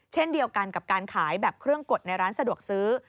เช่นเดียวกันกับการขายแบบเครื่องกดในร้านสะดวกซื้อ